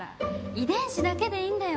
遺伝子だけでいいんだよ。